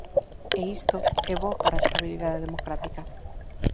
E isto é bo para a estabilidade democrática.